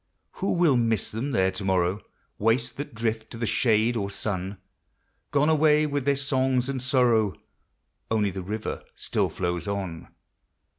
Who will miss them there to morrow, Waifs that drift to the shade or sun ? Gone away with their songs and sorrow ; Only the river still flows on.